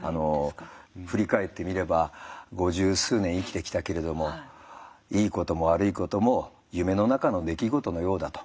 振り返ってみれば五十数年生きてきたけれどもいいことも悪いことも夢の中の出来事のようだと。